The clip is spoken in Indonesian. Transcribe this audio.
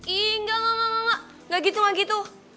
ih engga engga engga engga ga gitu ga gitu